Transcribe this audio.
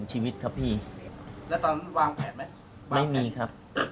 พบจิตแพทย์ครับ